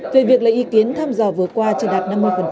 về việc lấy ý kiến thăm dò vừa qua chỉ đạt năm mươi